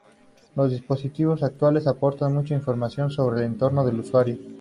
Los dispositivos actuales aportan mucha información sobre el entorno del usuario.